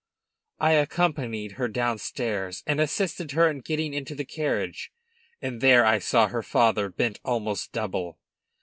I accompanied her downstairs and assisted her in getting into the carriage, and there I saw her father bent almost double.